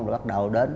rồi bắt đầu đến